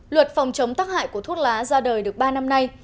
luật phòng chống tắc hại của thuốc lá ra đời được ba năm nay